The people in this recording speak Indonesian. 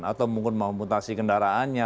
atau mungkin mau mutasi kendaraannya